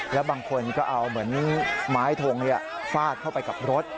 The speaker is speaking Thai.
แล้วบางคนก็เอาเหมือนไม้ทงฟาดเข้าไปกับรถ